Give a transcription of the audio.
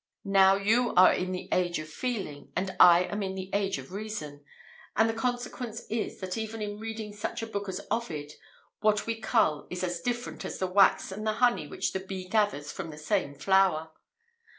Now, you are in the age of feeling, and I am in the age of reason; and the consequence is, that even in reading such a book as Ovid, what we cull is as different as the wax and the honey which a bee gathers from the same flower.